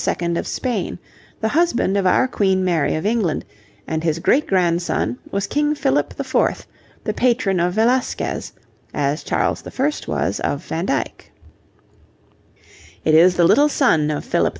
of Spain, the husband of our Queen Mary of England, and his great grandson was King Philip IV., the patron of Velasquez, as Charles I. was of Van Dyck. It is the little son of Philip IV.